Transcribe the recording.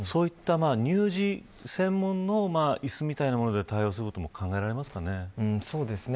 乳児専門の椅子みたいなもので対応することも考えられますかね。